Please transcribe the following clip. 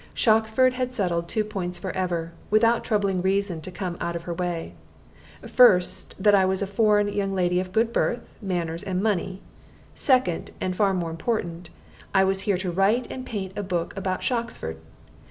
Shoxford had settled two points forever, without troubling reason to come out of her way first, that I was a foreign young lady of good birth, manners, and money; second, and far more important, I was here to write and paint a book about Shoxford.